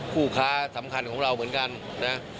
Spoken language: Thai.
คู่ค้าสำคัญของเราเหมือนกันนะ